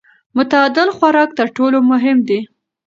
متعادل خوراک تر ټولو مهم دی.